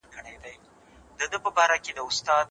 قصاص د تيري مخه نیسي.